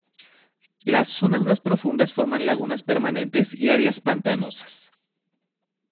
Las zonas más profundas forman lagunas permanentes y áreas pantanosas.